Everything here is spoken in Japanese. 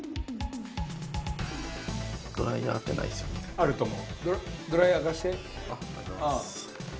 あると思う。